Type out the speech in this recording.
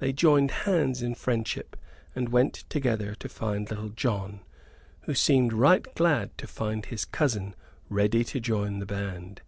They joined hands in friendship and went together to find Little John, who seemed right glad to find his cousin ready to join the band.